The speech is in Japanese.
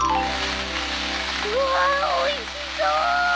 うわおいしそ！